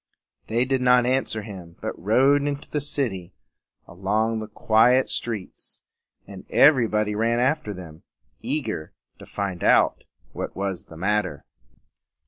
They did not answer him, but rode into the city and along the quiet streets; and everybody ran after them, eager to find out what was the matter.